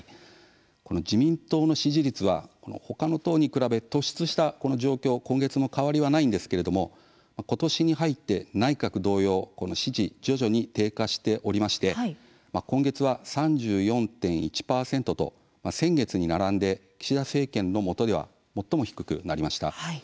自民党の支持率は他に比べ今月も突出した状況に変わりはないんですけれども今年に入って内閣同様、支持は徐々に低下しておりまして今月は３４．１％と先月と並んで岸田政権のもとでは最も低くなりました。